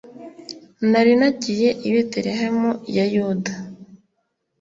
nari nagiye i betelehemu ya yuda